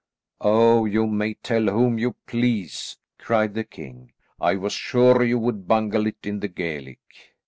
"Oh, you may tell whom you please," cried the king. "I was sure you would bungle it in the Gaelic."